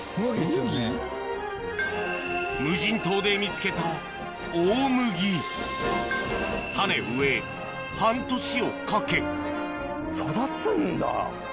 無人島で見つけた種を植え半年をかけ育つんだ！